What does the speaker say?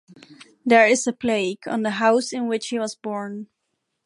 There is a plaque on the house in which he was born.